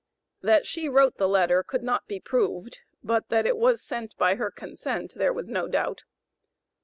That she wrote the letter could not be proved, but that it was sent by her consent, there was no doubt.